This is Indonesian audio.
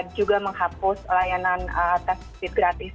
juga menghapus layanan tes covid gratis